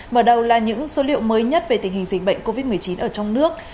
mở đầu là những số liệu mới nhất về tình hình dịch bệnh covid một mươi chín ở trong nước